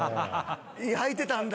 「はいてたんだ。